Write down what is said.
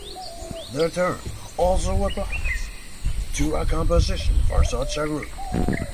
The term also applies to a composition for such a group.